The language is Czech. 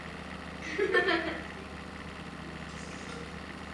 Knight se narodil v New Yorku v umělecké rodině.